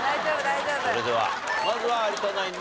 それではまずは有田ナインの挑戦です。